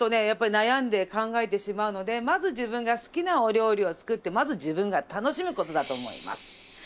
やっぱり悩んで考えてしまうのでまず自分が好きなお料理を作ってまず自分が楽しむ事だと思います。